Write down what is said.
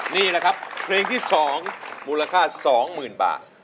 นี่นะครับเพลงที่สองมูลค่าสองหมื่นบาท